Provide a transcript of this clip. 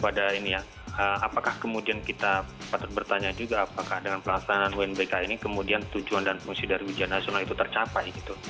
apakah kemudian kita patut bertanya juga apakah dengan pelaksanaan unbk ini kemudian tujuan dan fungsi dari ujian nasional itu tercapai gitu